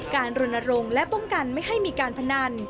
รณรงค์และป้องกันไม่ให้มีการพนัน